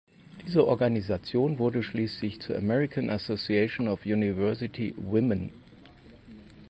Diese Organisation wurde schließlich zur American Association of University Women.